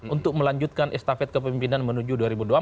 untuk melanjutkan estafet kepemimpinan menuju dua ribu dua puluh empat